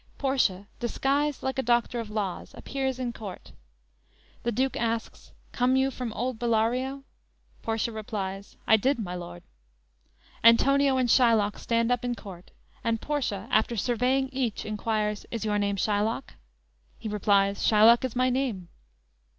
Portia disguised like a doctor of laws appears in court. The Duke asks: "Come you from old Bellario?" Portia replies: "I did, my lord." Antonio and Shylock stand up in court, and Portia, after surveying each, inquires: "Is your name Shylock?" He replies: "Shylock is my name."